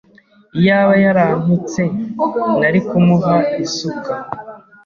Iyaba yarantutse, nari kumuha isuka.